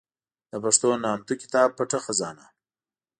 د پښتو نامتو کتاب پټه خزانه